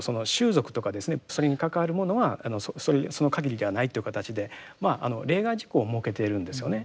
それに関わるものはその限りではないっていう形でまあ例外事項を設けているんですよね。